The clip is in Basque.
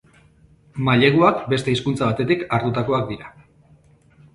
Maileguak beste hizkuntza batetik hartutakoak dira.